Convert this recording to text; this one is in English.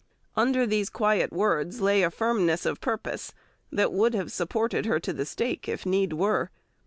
Under these quiet words lay a firmness of purpose that would have supported her to the stake if need were.